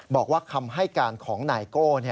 บอกว่าคำให้การของนายโก้